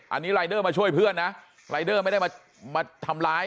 อันนี้รายเดอร์มาช่วยเพื่อนนะรายเดอร์ไม่ได้มาทำร้าย